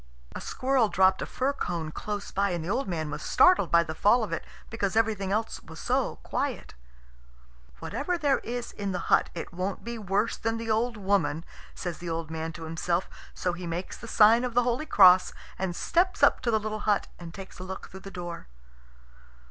A squirrel dropped a fir cone close by, and the old man was startled by the fall of it, because everything else was so quiet. "Whatever there is in the hut, it won't be worse than the old woman," says the old man to himself. So he makes the sign of the holy Cross, and steps up to the little hut and takes a look through the door.